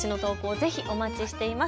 ぜひお待ちしています。